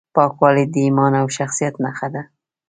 پاکوالی د ایمان او شخصیت نښه ده.